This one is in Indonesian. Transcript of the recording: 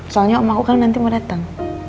soalnya om aku kan nanti mau datang